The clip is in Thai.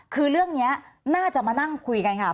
คือเรื่องนี้น่าจะมานั่งคุยกันค่ะ